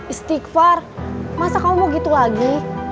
istighfar masa kamu mau gitu lagi